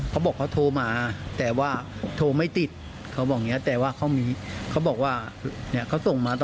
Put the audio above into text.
มันจะทำอย่างไรได้บ้างคุณผู้ชมว่าอย่างไรคุณผู้ชมว่าอย่างไร